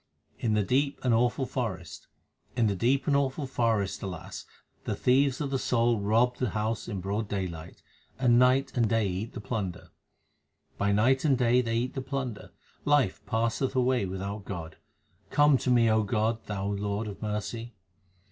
In the deep and awful forest, in the deep and awful forest, alas ! the thieves of the soul rob the house 1 in broad day light, and night and day eat the plunder. 2 By night and day they eat the plunder ; life passeth away without God ; come to me, O God, Thou Lord of mercy.